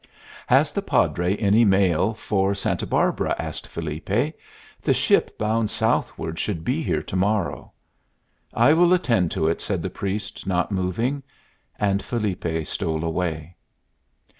"Has the Padre any mall for Santa Barbara?" asked Felipe. "The ship bound southward should be here to morrow." "I will attend to it," said the priest, not moving. And Felipe stole away.